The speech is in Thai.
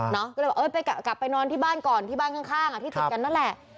ก็เลยบอกเออไปกลับไปนอนที่บ้านก่อนที่บ้านข้างที่ติดกันนั่นแหละ